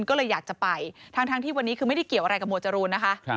ก็เลยอยากจะไปทั้งที่วันนี้คือไม่ได้เกี่ยวอะไรกับหวดจรูนนะคะ